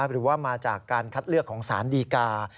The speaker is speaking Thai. หรือว่ามาจากการคัดเลือกของสารดีกา